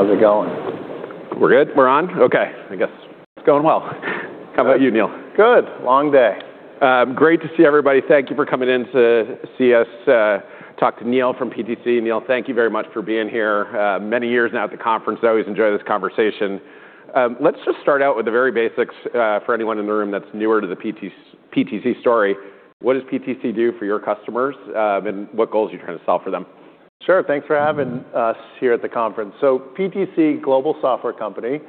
How's it going? We're good. We're on? Okay. I guess it's going well. How about you, Neil? Good. Long day. Great to see everybody. Thank you for coming in to see us, talk to Neil from PTC. Neil, thank you very much for being here. Many years now at the conference. I always enjoy this conversation. Let's just start out with the very basics, for anyone in the room that's newer to the PTC story. What does PTC do for your customers, and what goals are you trying to solve for them? Sure. Thanks for having us here at the conference. PTC, global software company.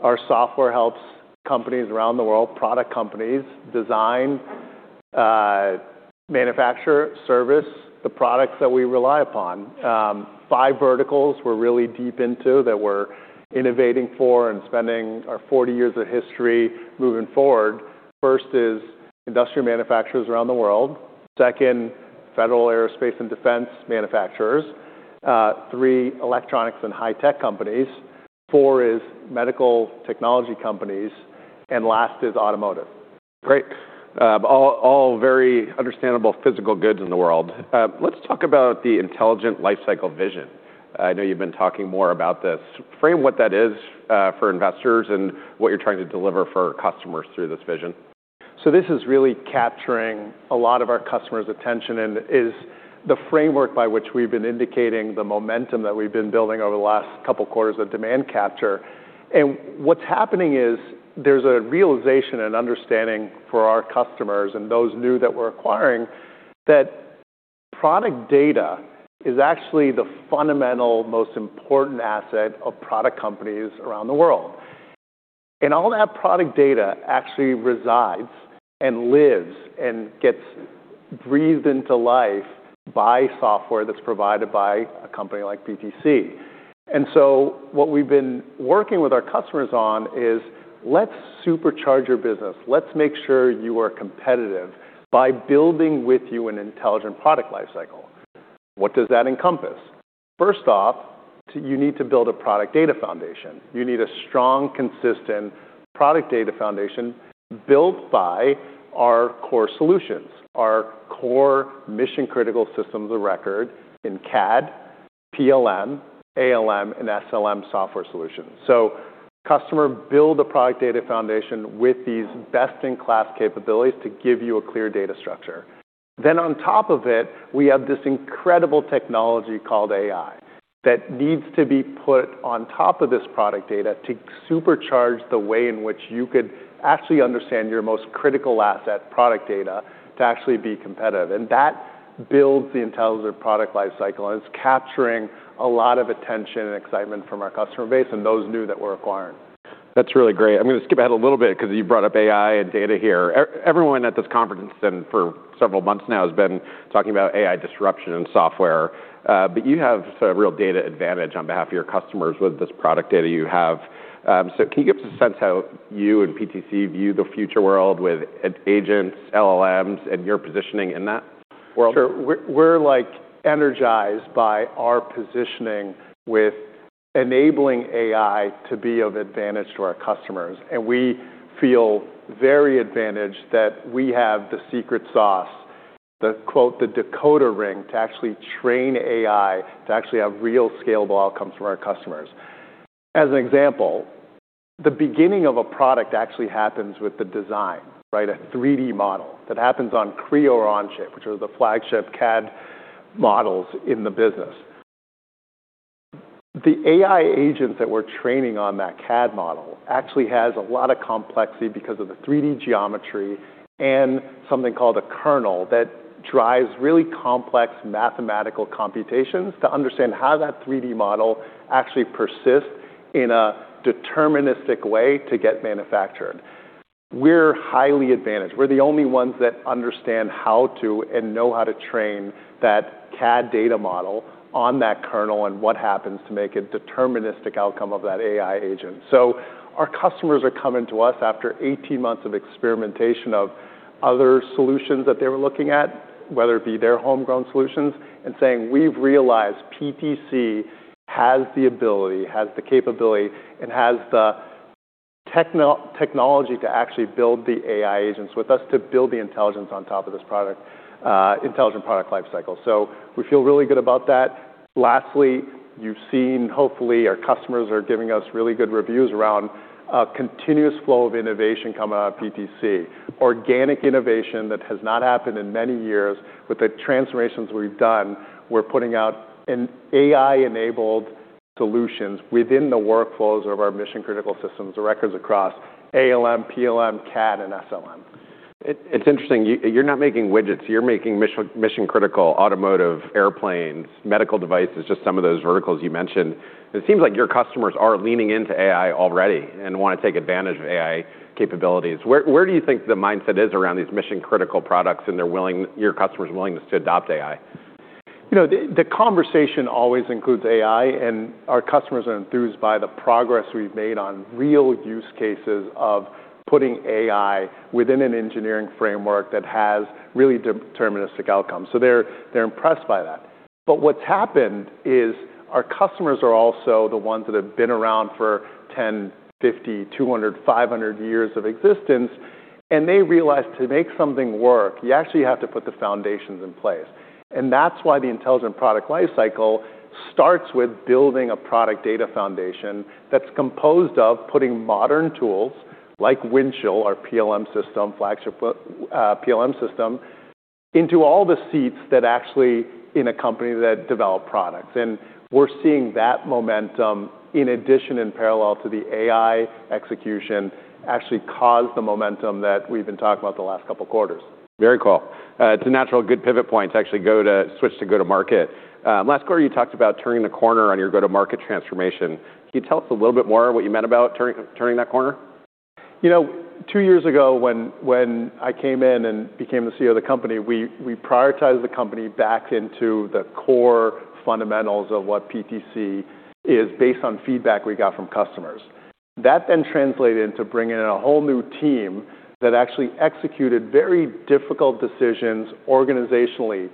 Our software helps companies around the world, product companies, design, manufacture, service the products that we rely upon. Five verticals we're really deep into that we're innovating for and spending our 40 years of history moving forward. First is industrial manufacturers around the world. Second, federal aerospace and defense manufacturers. Three, electronics and high-tech companies. Four is medical technology companies, and last is automotive. Great. All, all very understandable physical goods in the world. Let's talk about the intelligent lifecycle vision. I know you've been talking more about this. Frame what that is, for investors and what you're trying to deliver for customers through this vision. This is really capturing a lot of our customers' attention and is the framework by which we've been indicating the momentum that we've been building over the last couple quarters of demand capture. What's happening is there's a realization and understanding for our customers and those new that we're acquiring that product data is actually the fundamental most important asset of product companies around the world. All that product data actually resides and lives and gets breathed into life by software that's provided by a company like PTC. What we've been working with our customers on is, let's supercharge your business. Let's make sure you are competitive by building with you an intelligent product lifecycle. What does that encompass? First off, you need to build a product data foundation. You need a strong, consistent product data foundation built by our core solutions, our core mission-critical systems of record in CAD, PLM, ALM, and SLM software solutions. Customer build a product data foundation with these best-in-class capabilities to give you a clear data structure. On top of it, we have this incredible technology called AI that needs to be put on top of this product data to supercharge the way in which you could actually understand your most critical asset product data to actually be competitive. That builds the intelligent product lifecycle, and it's capturing a lot of attention and excitement from our customer base and those new that we're acquiring. That's really great. I'm gonna skip ahead a little bit because you brought up AI and data here. Everyone at this conference and for several months now has been talking about AI disruption in software. You have a real data advantage on behalf of your customers with this product data you have. Can you give us a sense how you and PTC view the future world with agents, LLMs, and your positioning in that world? Sure. We're, like, energized by our positioning with enabling AI to be of advantage to our customers. We feel very advantaged that we have the secret sauce, the, quote, "the decoder ring" to actually train AI to actually have real scalable outcomes for our customers. As an example, the beginning of a product actually happens with the design, right? A 3D model that happens on Creo or Onshape, which are the flagship CAD models in the business. The AI agents that we're training on that CAD model actually has a lot of complexity because of the 3D geometry and something called a kernel that drives really complex mathematical computations to understand how that 3D model actually persists in a deterministic way to get manufactured. We're highly advantaged. We're the only ones that understand how to and know how to train that CAD data model on that kernel, and what happens to make a deterministic outcome of that AI agent. Our customers are coming to us after 18 months of experimentation of other solutions that they were looking at, whether it be their homegrown solutions, and saying, "We've realized PTC has the ability, has the capability, and has the technology to actually build the AI agents with us to build the intelligence on top of this product, intelligent product lifecycle." We feel really good about that. Lastly, you've seen, hopefully, our customers are giving us really good reviews around a continuous flow of innovation coming out of PTC, organic innovation that has not happened in many years. With the transformations we've done, we're putting out an AI-enabled solutions within the workflows of our mission-critical systems of records across ALM, PLM, CAD, and SLM. It's interesting. You're not making widgets. You're making mission-critical automotive airplanes, medical devices, just some of those verticals you mentioned. It seems like your customers are leaning into AI already and wanna take advantage of AI capabilities. Where do you think the mindset is around these mission-critical products and your customers' willingness to adopt AI? You know, the conversation always includes AI, and our customers are enthused by the progress we've made on real use cases of putting AI within an engineering framework that has really deterministic outcomes. They're, they're impressed by that. What's happened is our customers are also the ones that have been around for 10, 50, 200, 500 years of existence, and they realize to make something work, you actually have to put the foundations in place. That's why the intelligent product lifecycleStarts with building a product data foundation that's composed of putting modern tools like Windchill, our PLM system, flagship PLM system, into all the seats that actually in a company that develop products. We're seeing that momentum in addition and parallel to the AI execution actually cause the momentum that we've been talking about the last couple quarters. Very cool. It's a natural good pivot point to actually go to switch to go-to-market. Last quarter, you talked about turning the corner on your go-to-market transformation. Can you tell us a little bit more what you meant about turning that corner? You know, two years ago, when I came in and became the Chief Executive Officer of the company, we prioritized the company back into the core fundamentals of what PTC is based on feedback we got from customers. That translated into bringing in a whole new team that actually executed very difficult decisions organizationally,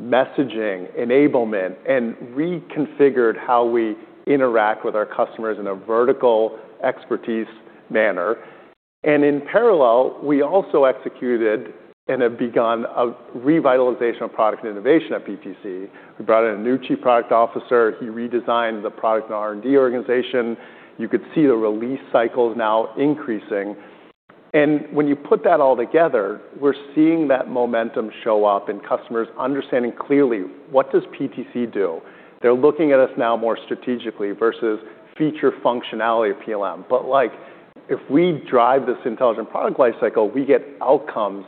messaging, enablement, and reconfigured how we interact with our customers in a vertical expertise manner. In parallel, we also executed and have begun a revitalization of product and innovation at PTC. We brought in a new chief product officer. He redesigned the product and R&D organization. You could see the release cycles now increasing. When you put that all together, we're seeing that momentum show up in customers understanding clearly, what does PTC do? They're looking at us now more strategically versus feature functionality of PLM. Like, if we drive this intelligent product lifecycle, we get outcomes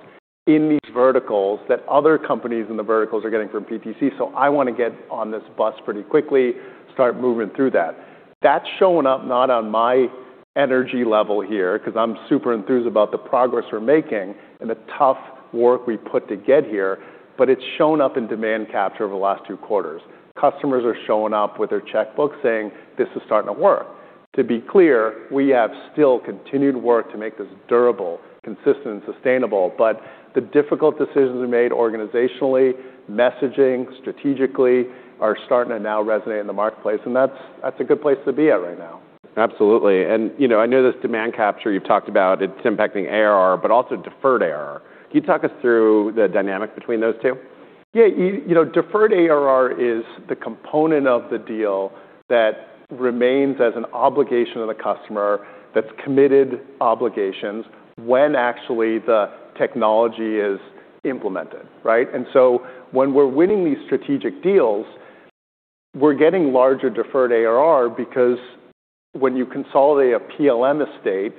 in these verticals that other companies in the verticals are getting from PTC. I wanna get on this bus pretty quickly, start moving through that. That's shown up not on my energy level here, 'cause I'm super enthused about the progress we're making and the tough work we put to get here, but it's shown up in demand capture over the last two quarters. Customers are showing up with their checkbook saying, "This is starting to work." To be clear, we have still continued work to make this durable, consistent, and sustainable, but the difficult decisions we made organizationally, messaging strategically are starting to now resonate in the marketplace, and that's a good place to be at right now. Absolutely. You know, I know this demand capture you've talked about, it's impacting ARR, but also deferred ARR. Can you talk us through the dynamic between those two? Yeah. You know, deferred ARR is the component of the deal that remains as an obligation of the customer that's committed obligations when actually the technology is implemented, right? When we're winning these strategic deals, we're getting larger deferred ARR because when you consolidate a PLM estate,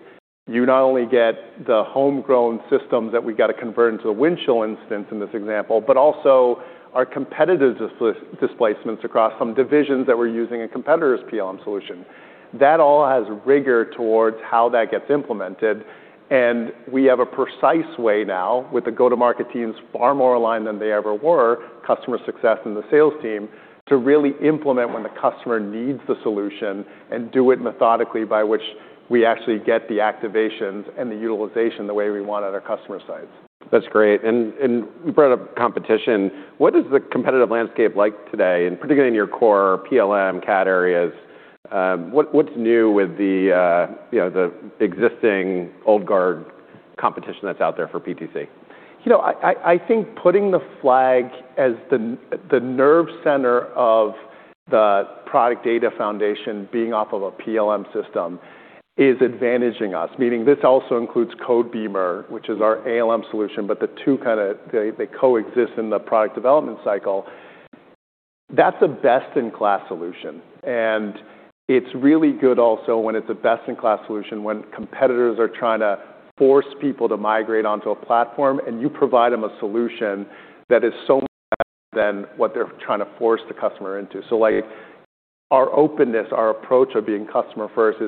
you not only get the homegrown systems that we gotta convert into a Windchill instance in this example, but also our competitive displacements across some divisions that we're using a competitor's PLM solution. That all has rigor towards how that gets implemented, and we have a precise way now with the go-to-market teams far more aligned than they ever were, customer success and the sales team, to really implement when the customer needs the solution and do it methodically by which we actually get the activations and the utilization the way we want at our customer sites. That's great. You brought up competition. What is the competitive landscape like today, and particularly in your core PLM CAD areas? What's new with the, you know, the existing old guard competition that's out there for PTC? You know, I think putting the flag as the nerve center of the product data foundation being off of a PLM system is advantaging us, meaning this also includes Codebeamer, which is our ALM solution. The two kinda coexist in the product development cycle. That's a best-in-class solution, and it's really good also when it's a best-in-class solution when competitors are trying to force people to migrate onto a platform, and you provide them a solution that is so much better than what they're trying to force the customer into. Our openness, our approach of being customer first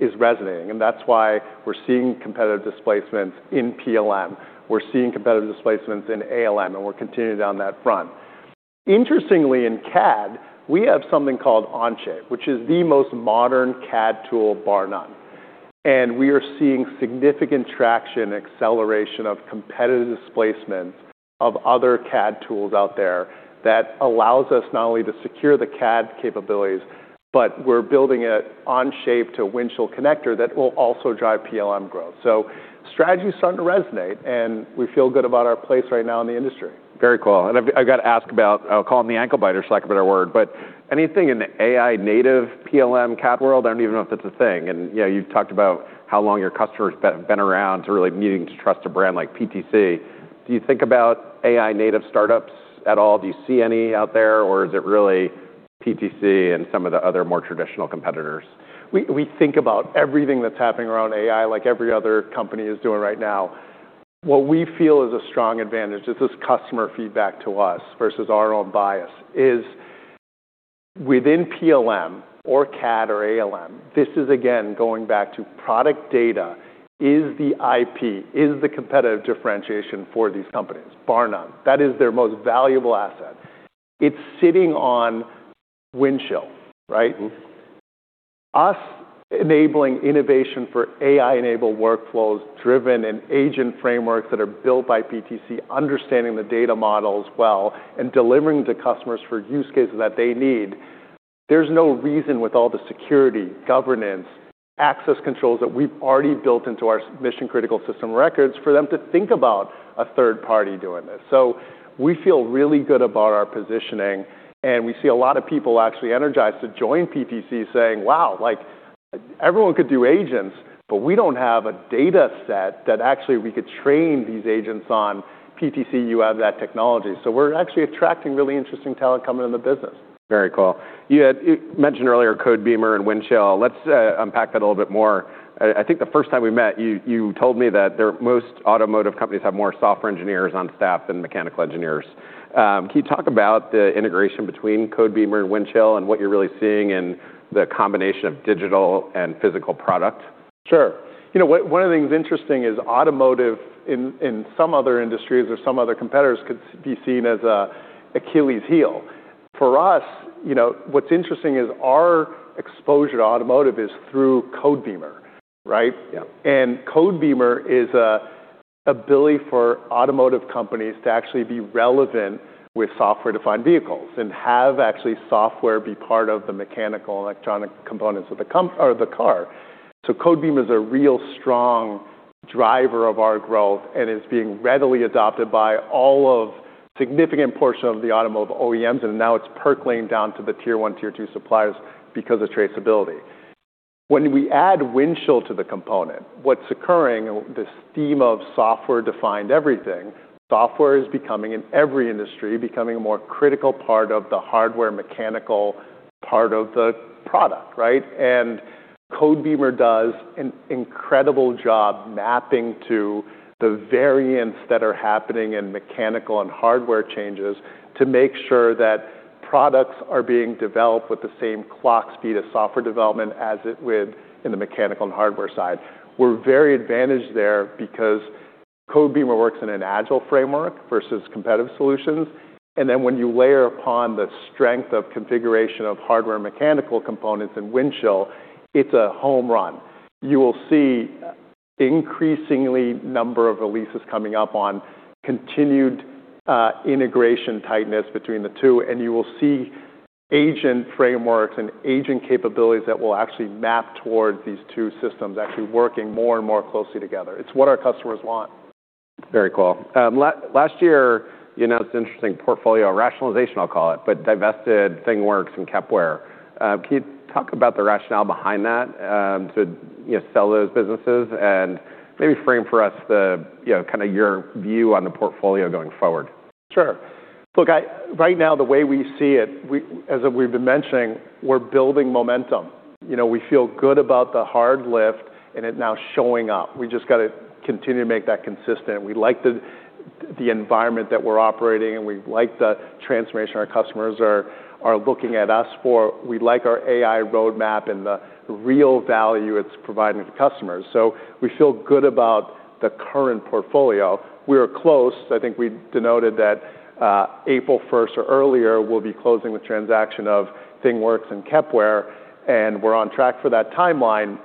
is resonating, and that's why we're seeing competitive displacements in PLM. We're seeing competitive displacements in ALM, and we're continuing down that front. Interestingly, in CAD, we have something called Onshape, which is the most modern CAD tool bar none. We are seeing significant traction, acceleration of competitive displacement of other CAD tools out there that allows us not only to secure the CAD capabilities, but we're building an Onshape to Windchill connector that will also drive PLM growth. Strategy is starting to resonate, and we feel good about our place right now in the industry. Very cool. I've gotta ask about, I'll call them the ankle biters, for lack of a better word, but anything in the AI native PLM CAD world? I don't even know if that's a thing. You know, you've talked about how long your customers been around to really needing to trust a brand like PTC. Do you think about AI native startups at all? Do you see any out there, or is it really PTC and some of the other more traditional competitors? We think about everything that's happening around AI like every other company is doing right now. What we feel is a strong advantage is this customer feedback to us versus our own bias, is within PLM or CAD or ALM, this is again going back to product data is the IP, is the competitive differentiation for these companies, bar none. That is their most valuable asset. It's sitting on Windchill, right? Mm-hmm. Us enabling innovation for AI-enabled workflows driven in agent frameworks that are built by PTC, understanding the data model as well, and delivering to customers for use cases that they need, there's no reason with all the security, governance-Access controls that we've already built into our mission-critical system records for them to think about a third party doing this. We feel really good about our positioning, and we see a lot of people actually energized to join PTC saying, "Wow, like, everyone could do agents, but we don't have a data set that actually we could train these agents on. PTC, you have that technology." We're actually attracting really interesting talent coming in the business. Very cool. You mentioned earlier Codebeamer and Windchill. Let's unpack that a little bit more. I think the first time we met, you told me that most automotive companies have more software engineers on staff than mechanical engineers. Can you talk about the integration between Codebeamer and Windchill and what you're really seeing in the combination of digital and physical product? Sure. You know what, one of the things interesting is automotive in some other industries or some other competitors could be seen as a Achilles' heel. For us, you know, what's interesting is our exposure to automotive is through Codebeamer, right? Yeah. Codebeamer is an ability for automotive companies to actually be relevant with software-defined vehicles and have actually software be part of the mechanical and electronic components of the car. Codebeamer is a real strong driver of our growth, and it's being readily adopted by all of significant portion of the automotive OEMs, and now it's percolating down to the Tier 1, Tier 2 suppliers because of traceability. When we add Windchill to the component, what's occurring, this theme of software-defined everything, software is becoming, in every industry, becoming a more critical part of the hardware mechanical part of the product, right? Codebeamer does an incredible job mapping to the variants that are happening in mechanical and hardware changes to make sure that products are being developed with the same clock speed as software development as it would in the mechanical and hardware side. We're very advantaged there because Codebeamer works in an agile framework versus competitive solutions. Then when you layer upon the strength of configuration of hardware mechanical components in Windchill, it's a home run. You will see increasingly number of releases coming up on continued integration tightness between the two. You will see agent frameworks and agent capabilities that will actually map towards these two systems actually working more and more closely together. It's what our customers want. Very cool. Last year, you announced interesting portfolio rationalization, I'll call it, but divested ThingWorx and Kepware. Can you talk about the rationale behind that, to, you know, sell those businesses and maybe frame for us the, you know, kinda your view on the portfolio going forward? Sure. Look, Right now, the way we see it, as we've been mentioning, we're building momentum. You know, we feel good about the hard lift, and it now showing up. We just gotta continue to make that consistent. We like the environment that we're operating, and we like the transformation our customers are looking at us for. We like our AI roadmap and the real value it's providing to customers. We feel good about the current portfolio. We are close. I think we denoted that April 1st or earlier, we'll be closing the transaction of ThingWorx and Kepware, and we're on track for that timeline.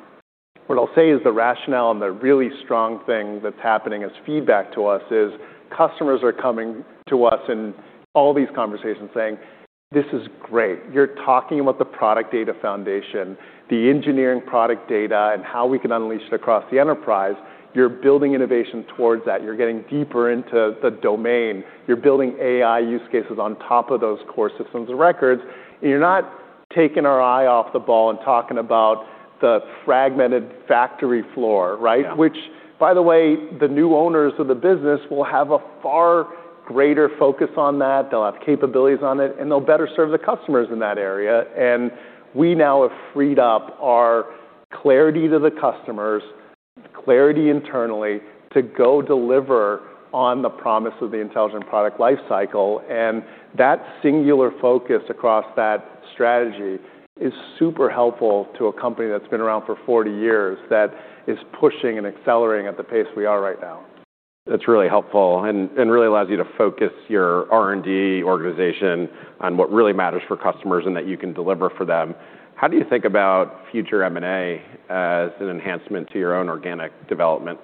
What I'll say is the rationale and the really strong thing that's happening as feedback to us is customers are coming to us in all these conversations saying, "This is great. You're talking about the product data foundation, the engineering product data, and how we can unleash it across the enterprise. You're building innovation towards that. You're getting deeper into the domain. You're building AI use cases on top of those core systems of records. You're not taking our eye off the ball and talking about the fragmented factory floor, right? Yeah. Which, by the way, the new owners of the business will have a far greater focus on that. They'll have capabilities on it, and they'll better serve the customers in that area. We now have freed up our clarity to the customers, clarity internally, to go deliver on the promise of the intelligent product lifecycle. That singular focus across that strategy is super helpful to a company that's been around for 40 years, that is pushing and accelerating at the pace we are right now. That's really helpful and really allows you to focus your R&D organization on what really matters for customers and that you can deliver for them. How do you think about future M&A as an enhancement to your own organic development?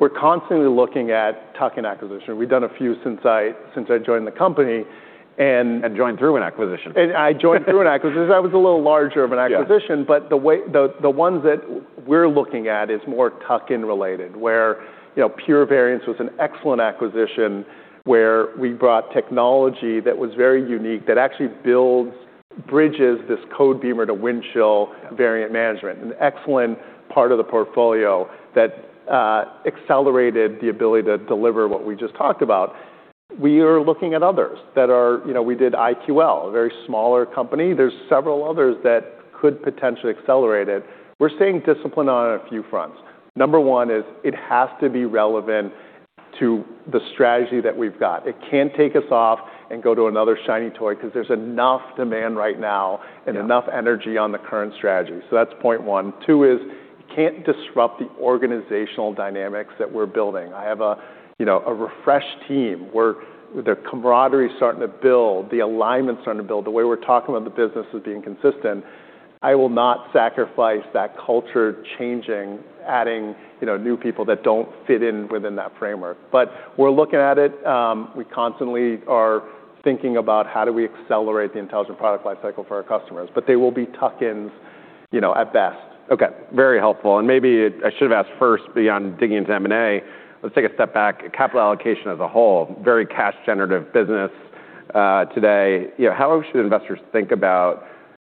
We're constantly looking at tuck-in acquisition. We've done a few since I joined the company. Joined through an acquisition. I joined through an acquisition. That was a little larger of an acquisition. Yeah. The ones that we're looking at is more tuck-in related, where, you know, pure::variants was an excellent acquisition where we brought technology that was very unique, that actually builds, bridges this Codebeamer to Windchill variant management. An excellent part of the portfolio that accelerated the ability to deliver what we just talked about. We are looking at others that are, you know, we did IQL, a very smaller company. There's several others that could potentially accelerate it. We're staying disciplined on a few fronts. Number one is it has to be relevant to the strategy that we've got. It can't take us off and go to another shiny toy because there's enough demand right now. Yeah And enough energy on the current strategy. That's point one. Two is you can't disrupt the organizational dynamics that we're building. I have a, you know, a refreshed team where the camaraderie is starting to build, the alignment's starting to build, the way we're talking about the business is being consistent. I will not sacrifice that culture changing, adding, you know, new people that don't fit in within that framework. We're looking at it. We constantly are thinking about how do we accelerate the intelligent product lifecycle for our customers. They will be tuck-ins You know, at best. Okay. Very helpful. Maybe I should have asked first beyond digging into M&A, let's take a step back. Capital allocation as a whole, very cash generative business, today. You know, how should investors think about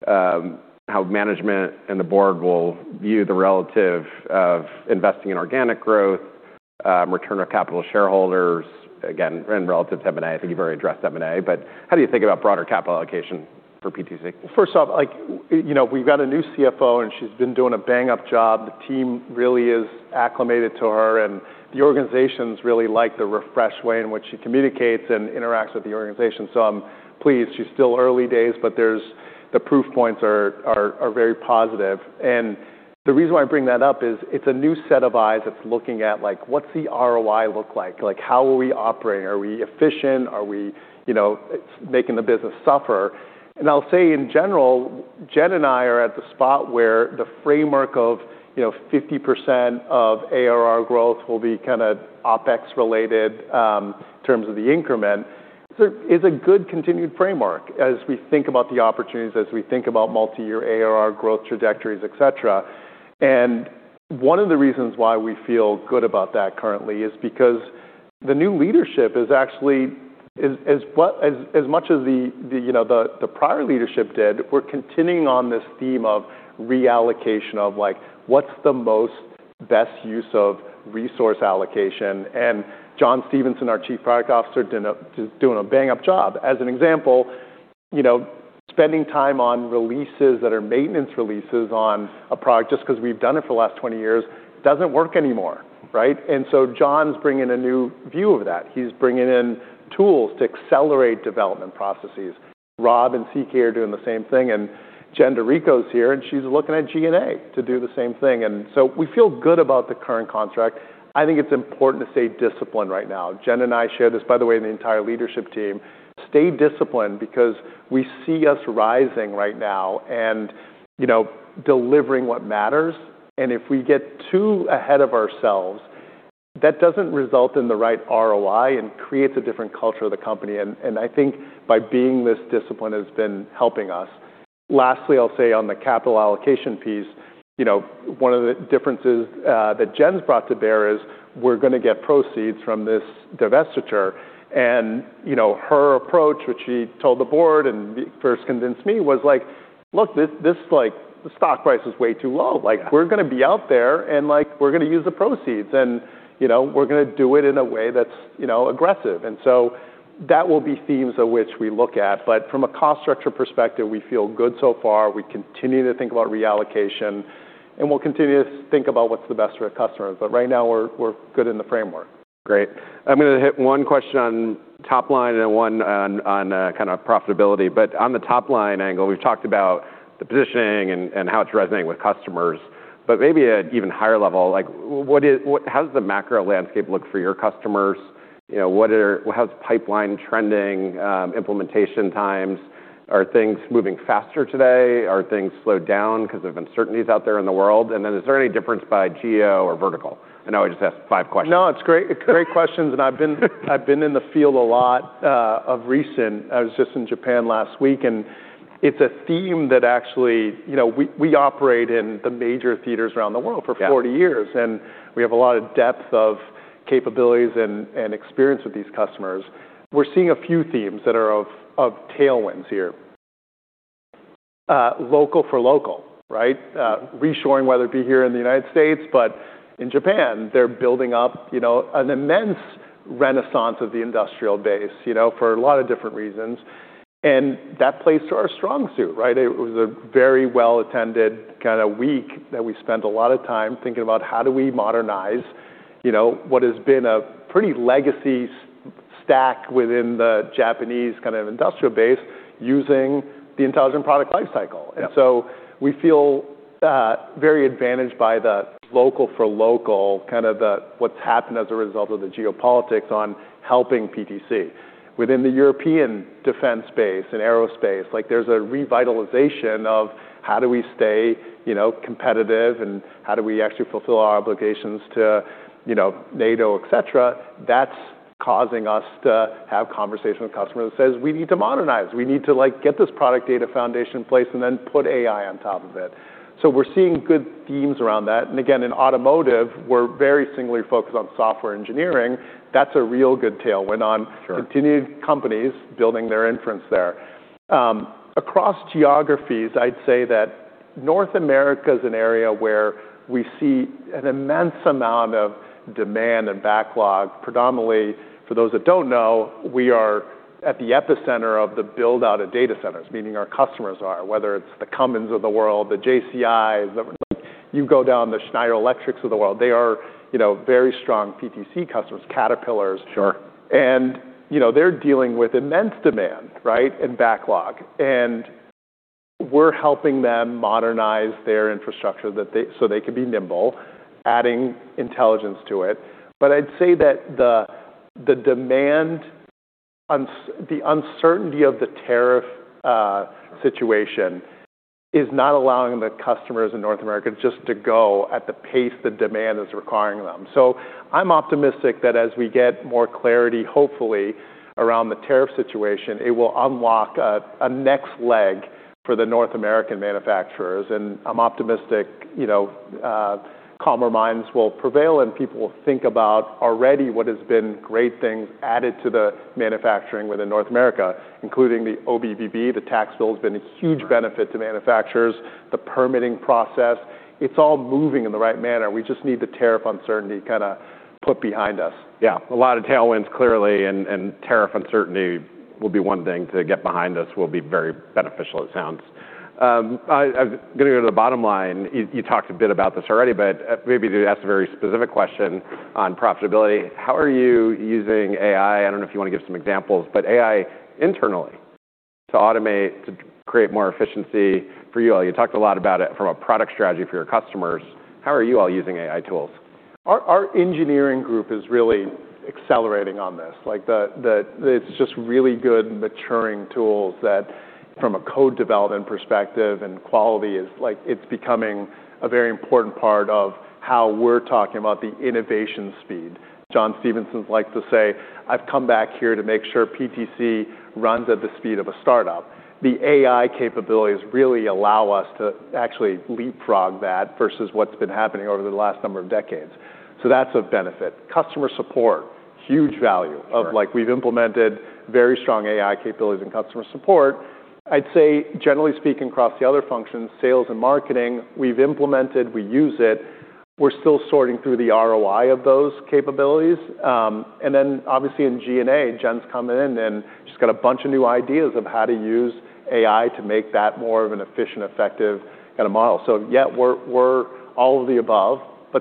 how management and the board will view the relative of investing in organic growth, return of capital shareholders, again, in relative to M&A? I think you've already addressed M&A, but how do you think about broader capital allocation for PTC? First off, you know, we've got a new Chief Financial Officer, she's been doing a bang-up job. The team really is acclimated to her, the organization's really like the refreshed way in which she communicates and interacts with the organization. I'm pleased. She's still early days, the proof points are very positive. The reason why I bring that up is it's a new set of eyes that's looking at what's the ROI look like? How are we operating? Are we efficient? Are we, you know, it's making the business suffer. I'll say in general, Jen and I are at the spot where the framework of, you know, 50% of ARR growth will be kind of OpEx related in terms of the increment. It's a good continued framework as we think about the opportunities, as we think about multi-year ARR growth trajectories, etc. One of the reasons why we feel good about that currently is because the new leadership is actually as much as the prior leadership did, we're continuing on this theme of reallocation of, like, what's the best use of resource allocation. Jon Stevenson, our chief product officer, doing a bang-up job. As an example, you know, spending time on releases that are maintenance releases on a product just 'cause we've done it for the last 20 years doesn't work anymore, right? Jon's bringing a new view of that. He's bringing in tools to accelerate development processes. Rob and Siki are doing the same thing. Jen DiRico is here, and she's looking at G&A to do the same thing. We feel good about the current contract. I think it's important to stay disciplined right now. Jen and I share this, by the way, in the entire leadership team. Stay disciplined because we see us rising right now and, you know, delivering what matters. If we get too ahead of ourselves, that doesn't result in the right ROI and creates a different culture of the company. I think by being this discipline has been helping us. Lastly, I'll say on the capital allocation piece, you know, one of the differences that Jen's brought to bear is we're gonna get proceeds from this divestiture. You know, her approach, which she told the board and first convinced me, was like, "Look, this, like, stock price is way too low. Like, we're gonna be out there, and, like, we're gonna use the proceeds, and, you know, we're gonna do it in a way that's, you know, aggressive." That will be themes of which we look at. From a cost structure perspective, we feel good so far. We continue to think about reallocation, and we'll continue to think about what's the best for our customers. Right now we're good in the framework. Great. I'm gonna hit one question on top line and one on kind of profitability. On the top line angle, we've talked about the positioning and how it's resonating with customers. Maybe at even higher level, like how does the macro landscape look for your customers? You know, how's pipeline trending, implementation times? Are things moving faster today? Are things slowed down 'cause of uncertainties out there in the world? Is there any difference by geo or vertical? I know I just asked five questions. No, it's great. Great questions. I've been in the field a lot of recent. I was just in Japan last week, it's a theme that actually, you know, we operate in the major theaters around the world for 40 years, and we have a lot of depth of capabilities and experience with these customers. We're seeing a few themes that are of tailwinds here. Local for local, right? Reshoring, whether it be here in the United States, in Japan, they're building up, you know, an immense renaissance of the industrial base, you know, for a lot of different reasons. That plays to our strong suit, right? It was a very well-attended kind of week that we spent a lot of time thinking about how do we modernize, you know, what has been a pretty legacy s-stacked within the Japanese kind of industrial base using the intelligent product lifecycle. Yeah. We feel very advantaged by the local for local, kind of the what's happened as a result of the geopolitics on helping PTC. Within the European defense space and aerospace, like, there's a revitalization of how do we stay, you know, competitive and how do we actually fulfill our obligations to, you know, NATO, et cetera. That's causing us to have conversation with customers that says, "We need to modernize. We need to, like, get this product data foundation in place and then put AI on top of it." We're seeing good themes around that. Again, in automotive, we're very singularly focused on software engineering. That's a real good tailwind on. Sure Continued companies building their inference there. Across geographies, I'd say that North America is an area where we see an immense amount of demand and backlog predominantly. For those that don't know, we are at the epicenter of the build-out of data centers, meaning our customers are, whether it's the Cummins of the world, the JCIs, you go down the Schneider Electric of the world. They are, you know, very strong PTC customers, Caterpillar. Sure. You know, they're dealing with immense demand, right, and backlog. We're helping them modernize their infrastructure so they can be nimble, adding intelligence to it. I'd say that the uncertainty of the tariff situation is not allowing the customers in North America just to go at the pace the demand is requiring them. I'm optimistic that as we get more clarity, hopefully around the tariff situation, it will unlock a next leg for the North American manufacturers. I'm optimistic, you know, calmer minds will prevail, and people will think about already what has been great things added to the manufacturing within North America, including the OBBB. The tax bill has been a huge benefit to manufacturers. The permitting process. It's all moving in the right manner. We just need the tariff uncertainty kinda put behind us. A lot of tailwinds clearly, and tariff uncertainty will be one thing to get behind us, will be very beneficial it sounds. I'm gonna go to the bottom line. You talked a bit about this already, maybe to ask a very specific question on profitability. How are you using AI? I don't know if you wanna give some examples, but AI internally to automate, to create more efficiency for you all. You talked a lot about it from a product strategy for your customers. How are you all using AI tools? Our engineering group is really accelerating on this. Like the it's just really good maturing tools that from a code development perspective and quality is like it's becoming a very important part of how we're talking about the innovation speed. Jon Stevenson likes to say, "I've come back here to make sure PTC runs at the speed of a startup." The AI capabilities really allow us to actually leapfrog that versus what's been happening over the last number of decades. That's a benefit. Customer support, huge value. Sure. Like we've implemented very strong AI capabilities in customer support. I'd say generally speaking across the other functions, sales and marketing, we've implemented, we use it, we're still sorting through the ROI of those capabilities. Then obviously in G&A, Jen's coming in, and she's got a bunch of new ideas of how to use AI to make that more of an efficient, effective kinda model. Yeah, we're all of the above.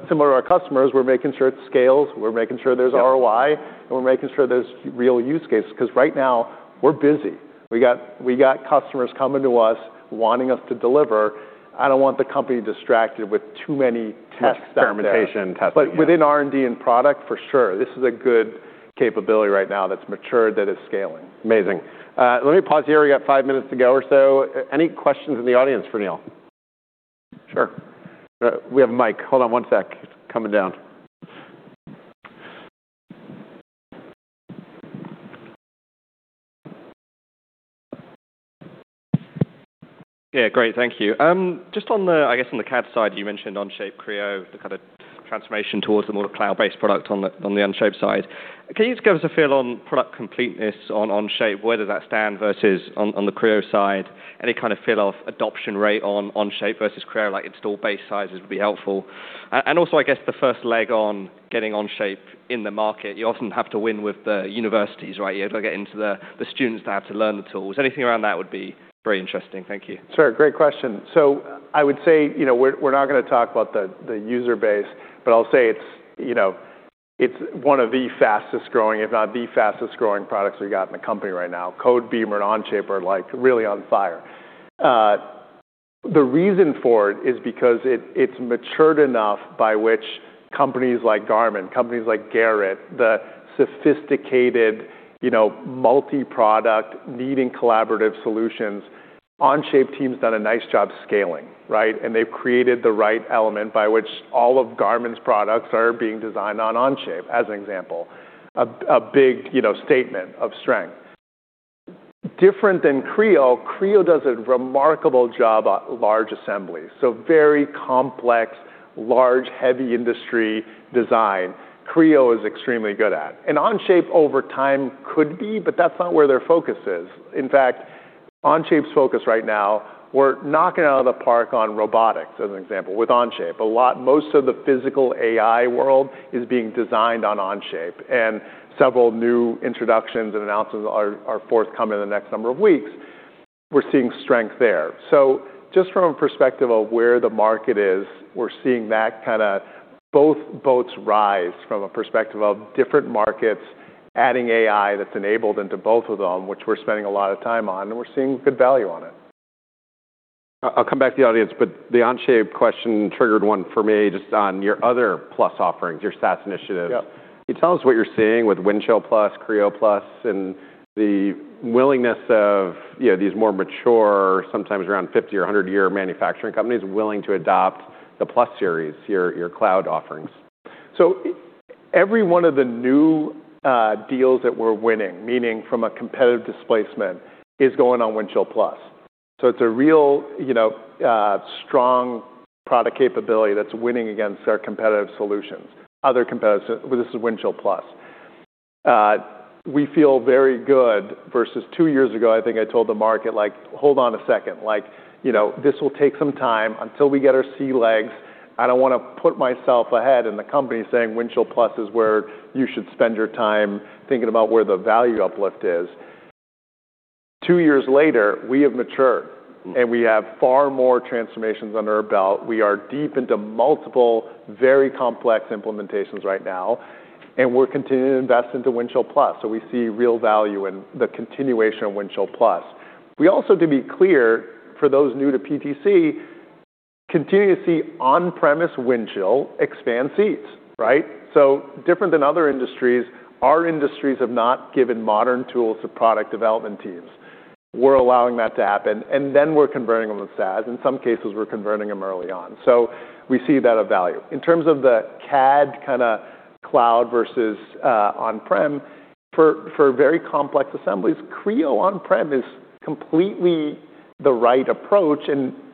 Similar to our customers, we're making sure it scales, we're making sure there's ROI- Yeah We're making sure there's real use cases. 'Cause right now we're busy. We got customers coming to us wanting us to deliver. I don't want the company distracted with too many tests out there. Experimentation testing, yeah. Within R&D and product, for sure. This is a good capability right now that's matured, that is scaling. Amazing. let me pause here. We got five minutes to go or so. Any questions in the audience for Neil? Sure. We have a mic. Hold on one sec. It's coming down. Yeah, great. Thank you. Just on the, I guess on the CAD side, you mentioned Onshape Creo, the kind of transformation towards the more cloud-based product on the, on the Onshape side. Can you just give us a feel on product completeness on Onshape, where does that stand versus on the Creo side? Any kind of feel of adoption rate on Onshape versus Creo, like install base sizes would be helpful. Also I guess the first leg on getting Onshape in the market. You often have to win with the universities, right? You have to get into the students that have to learn the tools. Anything around that would be very interesting. Thank you. Sure. Great question. I would say, you know, we're not gonna talk about the user base, but I'll say it's, you know, it's one of the fastest growing, if not the fastest growing products we got in the company right now. Codebeamer and Onshape are like really on fire. The reason for it is because it's matured enough by which companies like Garmin, companies like Garrett, the sophisticated, you know, multi-product needing collaborative solutions. Onshape team's done a nice job scaling, right? They've created the right element by which all of Garmin's products are being designed on Onshape as an example. A big, you know, statement of strength. Different than Creo. Creo does a remarkable job at large assemblies. Very complex, large, heavy industry design Creo is extremely good at. Onshape over time could be, but that's not where their focus is. In fact, Onshape's focus right now, we're knocking it out of the park on robotics as an example with Onshape. Most of the physical AI world is being designed on Onshape, and several new introductions and announcements are forthcoming in the next number of weeks. We're seeing strength there. Just from a perspective of where the market is, we're seeing that kind of both boats rise from a perspective of different markets adding AI that's enabled into both of them, which we're spending a lot of time on, and we're seeing good value on it. I'll come back to the audience, but the Onshape question triggered one for me just on your other plus offerings, your SaaS initiatives. Yep. Can you tell us what you're seeing with Windchill+, Creo+, and the willingness of, you know, these more mature, sometimes around 50 or a 100-year manufacturing companies willing to adopt the Plus series, your cloud offerings? Every one of the new deals that we're winning, meaning from a competitive displacement, is going on Windchill Plus. It's a real, you know, strong product capability that's winning against our competitive solutions, other competitive solutions. This is Windchill Plus. We feel very good versus two years ago, I think I told the market like, "Hold on a second. Like, you know, this will take some time until we get our sea legs. I don't wanna put myself ahead in the company saying Windchill Plus is where you should spend your time thinking about where the value uplift is." Two years later, we have matured, and we have far more transformations under our belt. We are deep into multiple, very complex implementations right now, and we're continuing to invest into Windchill Plus. We see real value in the continuation of Windchill Plus. We also, to be clear, for those new to PTC, continue to see on-premise Windchill expand seats, right? Different than other industries, our industries have not given modern tools to product development teams. We're allowing that to happen, and then we're converting them to SaaS. In some cases, we're converting them early on. We see that of value. In terms of the CAD kinda cloud versus on-prem, for very complex assemblies, Creo on-prem is completely the right approach.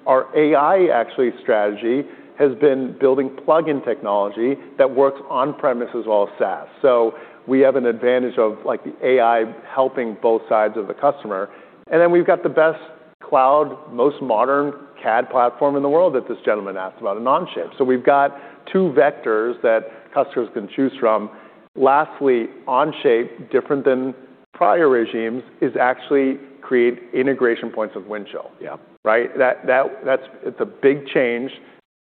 Our AI actually strategy has been building plug-in technology that works on-premise as well as SaaS. We have an advantage of like AI helping both sides of the customer. We've got the best cloud, most modern CAD platform in the world that this gentleman asked about, Onshape. We've got two vectors that customers can choose from. Lastly, Onshape, different than prior regimes, is actually create integration points of Windchill. Yeah. Right? It's a big change.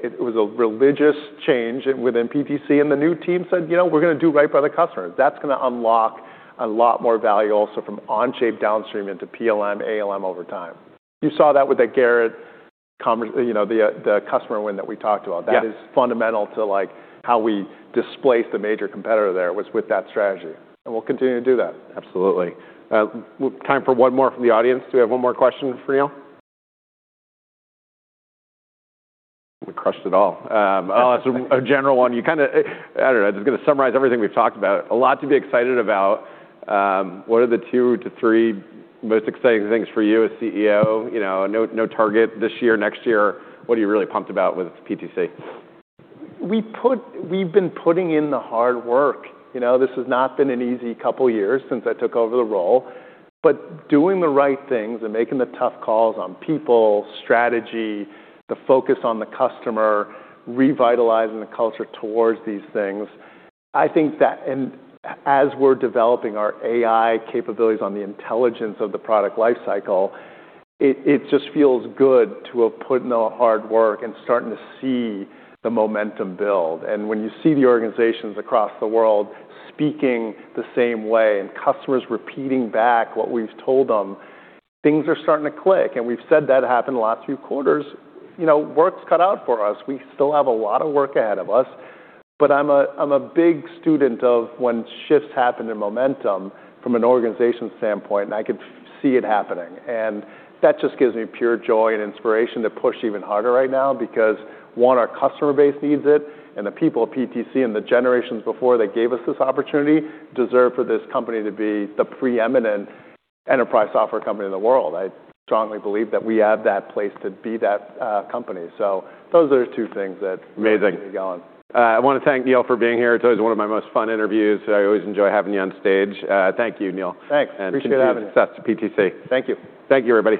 It was a religious change within PTC. The new team said, "You know, we're gonna do right by the customers." That's gonna unlock a lot more value also from Onshape downstream into PLM, ALM over time. You saw that with the Garrett you know, the customer win that we talked about. Yeah. That is fundamental to like how we displaced the major competitor there was with that strategy. We'll continue to do that. Absolutely. Time for one more from the audience. Do we have one more question for Neil? We crushed it all. I'll ask a general one. You know, just gonna summarize everything we've talked about. A lot to be excited about. What are the two to three most exciting things for you as Chief Executive Officer? You know, no target this year, next year. What are you really pumped about with PTC? We've been putting in the hard work. You know, this has not been an easy couple years since I took over the role. Doing the right things and making the tough calls on people, strategy, the focus on the customer, revitalizing the culture towards these things, as we're developing our AI capabilities on the intelligence of the product life cycle, it just feels good to have put in the hard work and starting to see the momentum build. When you see the organizations across the world speaking the same way and customers repeating back what we've told them, things are starting to click. We've said that happened the last few quarters. You know, work's cut out for us. We still have a lot of work ahead of us. I'm a big student of when shifts happen in momentum from an organization standpoint, and I can see it happening. That just gives me pure joy and inspiration to push even harder right now because, one, our customer base needs it, and the people at PTC and the generations before that gave us this opportunity deserve for this company to be the preeminent enterprise software company in the world. I strongly believe that we have that place to be that company. Amazing Keep me going. I wanna thank Neil for being here. It's always one of my most fun interviews. I always enjoy having you on stage. Thank you, Neil. Thanks. Appreciate having me. Continue success to PTC. Thank you. Thank you, everybody.